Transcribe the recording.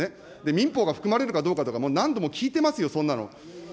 民法が含まれるかどうかとか、もう何度も聞いてますよ、そんなの。